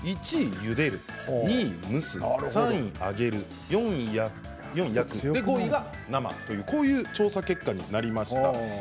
１位ゆでる、２位蒸す３位揚げる４位焼く、５位が生という調査結果になりました。